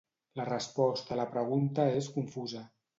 La resposta a la pregunta és confusa.